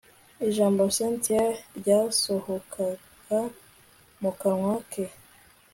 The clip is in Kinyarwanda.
ijambo cyntia ryasohokaga mukanwa ke